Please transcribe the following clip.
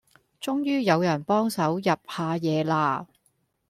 終於有人幫手入下野啦